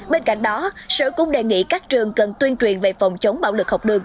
bên cạnh đó sở cũng đề nghị các trường cần tuyên truyền về phòng chống bạo lực học đường